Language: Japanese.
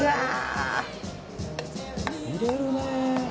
「入れるね！」